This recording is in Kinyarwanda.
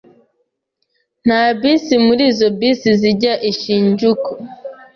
Nta bus muri izo bus zijya i Shinjuku.